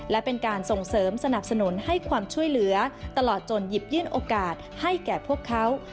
และเป็นการส่งเสริมสนับสนุนให้ความช่วยเหลือตลอดจนหยิบยื่นโอกาสให้แก่พวกเขา